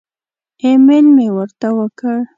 ایمیل مې ورته وکړ.